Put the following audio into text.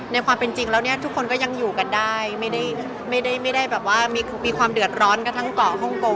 ในความเป็นจริงแล้วทุกคนก็ยังอยู่กันได้ไม่ได้มีความเดือดร้อนกับทั้งเกาะโฮงโกง